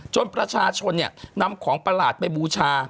ประชาชนนำของประหลาดไปบูชา